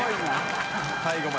最後までね。